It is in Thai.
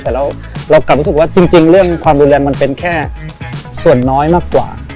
แต่เรากลับรู้สึกว่าจริงเรื่องความรุนแรงมันเป็นแค่ส่วนน้อยมากกว่า